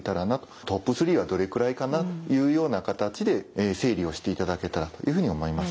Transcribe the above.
トップ３はどれぐらいかなというような形で整理をしていただけたらというふうに思います。